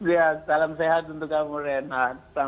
iya salam sehat untuk kamu ren nah